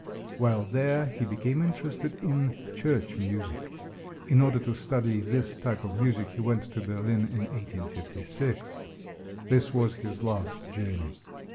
While there he became interested in church music. In order to study this type of music he went to Berlin in 1856. This was his last journey.